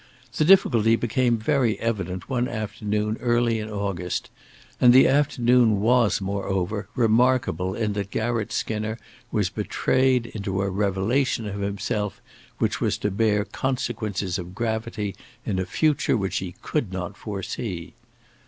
The difficulty became very evident one afternoon early in August, and the afternoon was, moveover, remarkable in that Garratt Skinner was betrayed into a revelation of himself which was to bear consequences of gravity in a future which he could not foresee.